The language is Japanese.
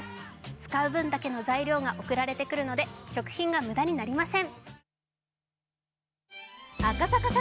使う分だけの材料が送られてくるので、食品が無駄になりません。